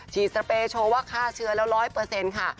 สเปยโชว์ว่าฆ่าเชื้อแล้ว๑๐๐ค่ะ